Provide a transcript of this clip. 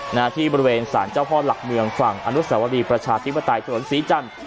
หน้าที่บริเวณสารเจ้าพ่อหลักเมืองฝั่งอนุสาวรีประชาธิปไตยถนนศรีจันทร์